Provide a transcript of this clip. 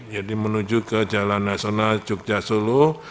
jadi menuju ke jalan nasional jogja solo